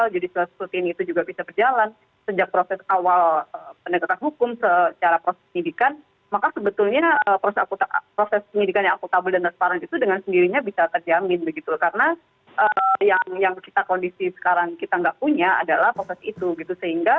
jadi itu akan menjadi hal yang sangat penting